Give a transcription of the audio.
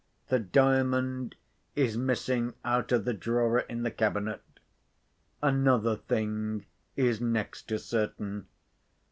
The Diamond is missing out of the drawer in the cabinet. Another thing is next to certain.